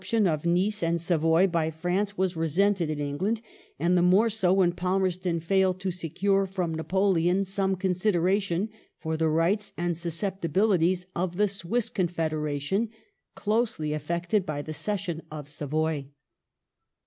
1860] ENGLAND AND FRANCE 311 Nice and Savoy by France was resented in England, and the more so when Palmerston failed to secure from Napoleon some considera tion for the rights and susceptibilities of the Swiss Confederation — closely affected by the cession of Savoy